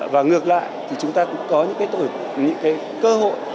và ngược lại chúng ta cũng có những cơ hội